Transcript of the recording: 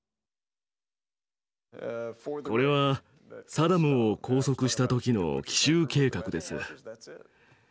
これはサダムを拘束した時の奇襲計画です。